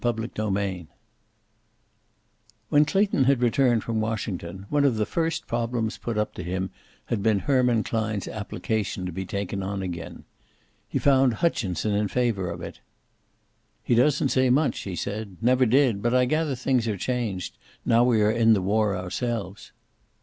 CHAPTER XXXVII When Clayton had returned from Washington, one of the first problems put up to him had been Herman Klein's application to be taken on again. He found Hutchinson in favor of it. "He doesn't say much," he said. "Never did. But I gather things are changed, now we are in the war ourselves."